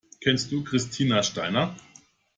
Kennst du Christina Steiner?